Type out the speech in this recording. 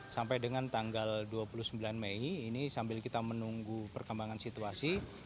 sampai dengan tanggal dua puluh sembilan mei ini sambil kita menunggu perkembangan situasi